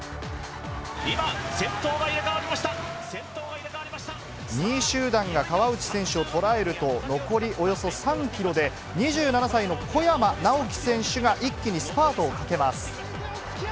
今、２位集団が川内選手を捉えると、残りおよそ３キロで、２７歳の小山直城選手が一気にスパートをかけます。